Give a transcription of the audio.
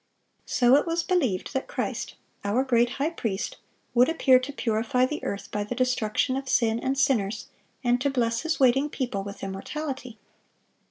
So it was believed that Christ, our great High Priest, would appear to purify the earth by the destruction of sin and sinners, and to bless His waiting people with immortality.